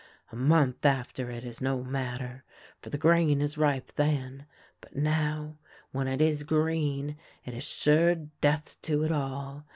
A month after it is no matter, for the grain is ripe then, but now, when it is green, it is sure death to it all.